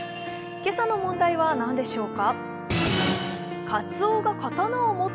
今朝の問題は何でしょうか？